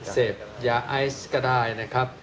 เสพยาไอซ์ก็ได้นะครับ